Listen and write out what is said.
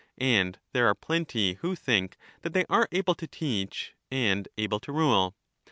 and there are plenty who think that they are able to teach and able to rule.